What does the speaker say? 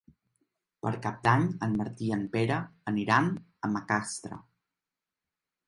Per Cap d'Any en Martí i en Pere aniran a Macastre.